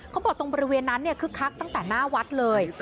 ตรงบริเวณนั้นคึกคักตั้งแต่หน้าวัดเลย